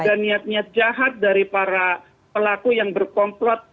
ada niat niat jahat dari para pelaku yang berkomplot